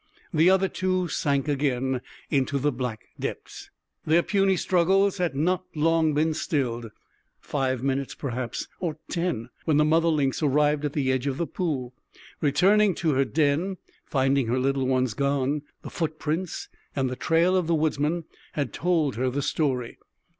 The other two sank again into the black depths. Their puny struggles had not long been stilled five minutes, perhaps, or ten when the mother lynx arrived at the edge of the pool. Returning to her den and finding her little ones gone, the footprints and the trail of the woodsman had told her the story.